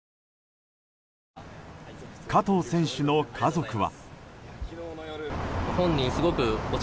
加藤選手の家族は。